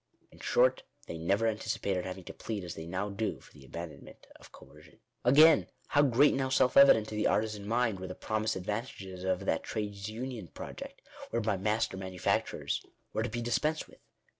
In short, they never anticipated having to plead as they now do for the abandonment of coer cion. Again, how great and how self evident to the artisan mind, were the promised advantages of that trades union project, whereby master manufacturers were to be dispensed with